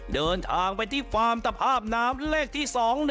เดินทางไปที่ฟาร์มตภาพน้ำเลขที่๒๑